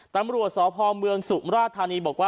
ตำรวจศพเมืองสุมราธานี